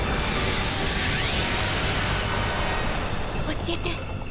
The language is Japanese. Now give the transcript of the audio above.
教えて。